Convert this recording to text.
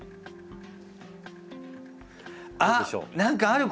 あっ何かある！